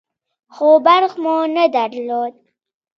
خو برق مو نه درلود.